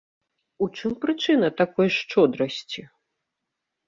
У чым прычына такой шчодрасці?